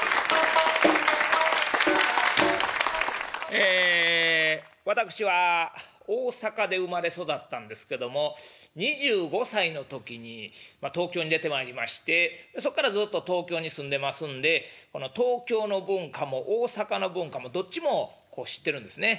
ええ私は大阪で生まれ育ったんですけども２５歳の時に東京に出てまいりましてそっからずっと東京に住んでますんで東京の文化も大阪の文化もどっちも知ってるんですね。